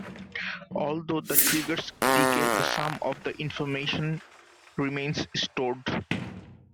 Although the triggers decay the sum of the information remains stored.